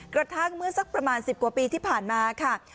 กระทั่งเมื่อสักประมาณ๑๐กว่าปีที่ผ่านมาค่ะ